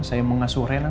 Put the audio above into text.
saya yang mengasuh rina